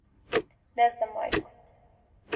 Не знам мајко.